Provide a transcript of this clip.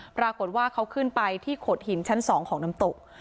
ปรากฏว่าเขาขึ้นไปที่โขดหินชั้น๒ของน้ำตก